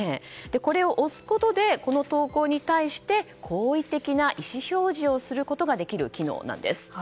これを押すことでこの投稿に対して好意的な意思表示をすることができる機能なんです。